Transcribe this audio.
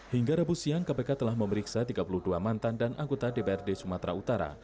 hingga rabu siang kpk telah memeriksa tiga puluh dua mantan dan anggota dprd sumatera utara